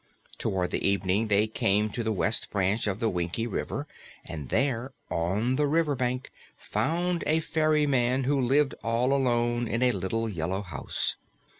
Toward evening they came to the west branch of the Winkie River and there, on the riverbank, found a ferryman who lived all alone in a little yellow house.